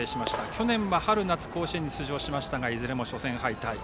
去年は春夏とも甲子園に出場しましたがいずれも初戦敗退。